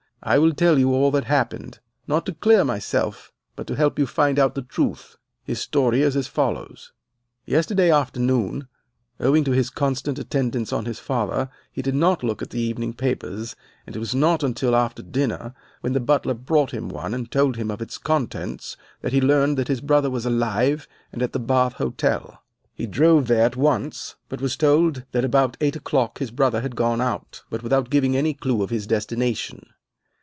I will tell you all that happened not to clear myself, but to help you to find out the truth.' His story is as follows: Yesterday afternoon, owing to his constant attendance on his father, he did not look at the evening papers, and it was not until after dinner, when the butler brought him one and told him of its contents, that he learned that his brother was alive and at the Bath Hotel. He drove there at once, but was told that about eight o'clock his brother had gone out, but without giving any clew to his destination.